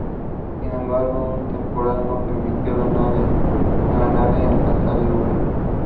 Sin embargo, un temporal no permitió a la nave alcanzar el lugar.